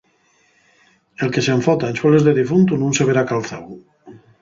El que s'enfota en sueles de difuntu nun se verá calzáu.